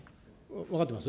分かってます。